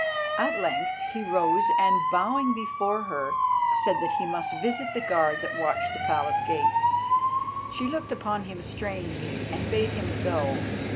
At length he rose and, bowing before her, said that he must visit the guard that watched the Palace gates. She looked upon him strangely and bade him go.